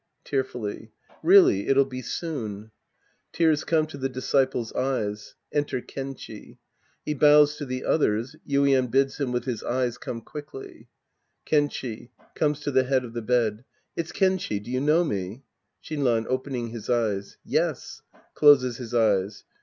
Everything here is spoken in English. {Tearfully^ Really it'll be soon. {Tears come to the disciples' eyes. Enter Kenchi. He bows to the others. Yuien bids him with his eyes come quickly^ Kenchi {comes to the head of the bed). It's Kenchi. Do you know me ? Shinran {opening his eyes). Yes. {Closes his eyes.)